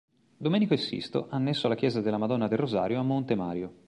Domenico e Sisto, annesso alla chiesa della Madonna del Rosario, a Monte Mario.